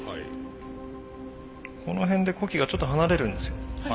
この辺で子機がちょっと離れるんですよ。